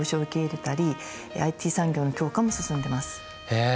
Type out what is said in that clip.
へえ